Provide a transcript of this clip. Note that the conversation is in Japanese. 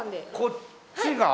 こっちが？